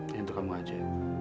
yang itu kamu aja